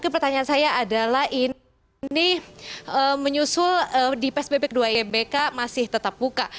pertanyaan saya adalah ini menyusul di psbb ke dua gbk masih tetap buka